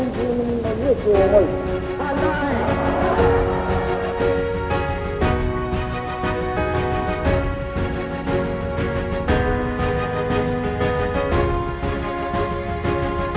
jangan lupa like share dan subscribe